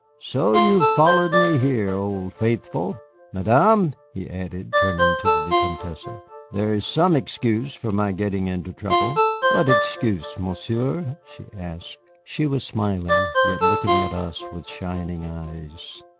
"So you have followed me here, old faithful! Madame," he added, turning to the Vicomtesse, "there is some excuse for my getting into trouble." "What excuse, Monsieur?" she asked. She was smiling, yet looking at us with shining eyes.